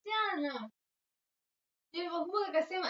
unua hasa haswa tunavinunua uganda upande wa uganda